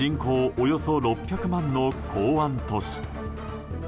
およそ６００万の港湾都市。